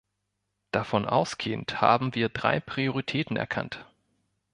Davon ausgehend haben wir drei Prioritäten erkannt.